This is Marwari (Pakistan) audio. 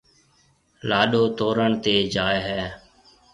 لاڏو تورڻ تيَ جائيَ ھيََََ